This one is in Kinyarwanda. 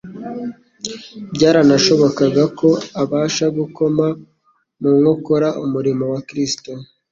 byaranashobokaga ko abasha gukoma mu nkokora umurimo wa Kristo